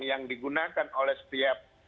yang digunakan oleh setiap